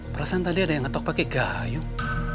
perasaan tadi ada yang ngetok pakai gayung